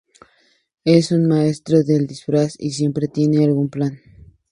Es un maestro del disfraz y siempre tiene algún plan.